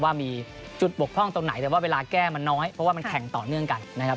ว่ามีจุดบกพร่องตรงไหนแต่ว่าเวลาแก้มันน้อยเพราะว่ามันแข่งต่อเนื่องกันนะครับ